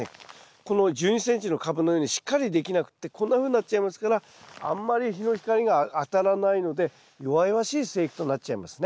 この１２ｃｍのカブのようにしっかりできなくってこんなふうになっちゃいますからあんまり日の光が当たらないので弱々しい生育となっちゃいますね。